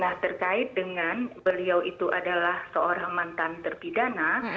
nah terkait dengan beliau itu adalah seorang mantan terpidana